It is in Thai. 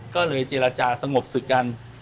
ก็เลยเจรจาสงบสึกกัน